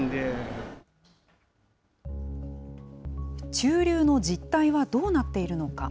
中流の実態はどうなっているのか。